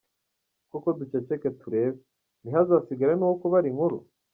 Koko duceceke turebere, ntihazasigare nuwo kubara inkuru?